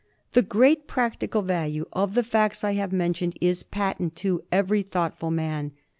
The great practical value of the facts I have men tioned is patent to every thoughtful man.